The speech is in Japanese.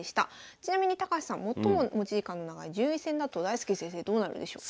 ちなみに高橋さん最も持ち時間の長い順位戦だと大介先生どうなるでしょうか？